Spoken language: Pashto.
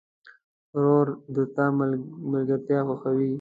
ورور د تا ملګرتیا خوښوي.